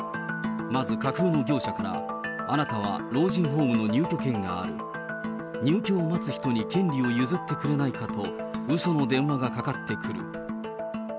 まず架空の業者から、あなたは老人ホームの入居権がある、入居を待つ人に権利を譲ってくれないかと、うその電話がかかってくる。